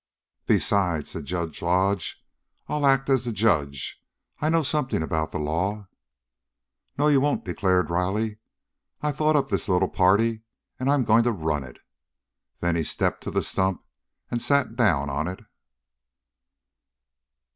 "Besides," said Judge Lodge, "I'll act as the judge. I know something about the law." "No, you won't," declared Riley. "I thought up this little party, and I'm going to run it." Then he stepped to the stump and sat down on it.